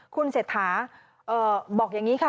คุณเศรษฐาบอกอย่างนี้ค่ะ